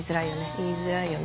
言いづらいよね